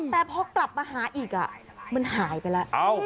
แต่พอกลับมาหาอีกมันหายไปแล้ว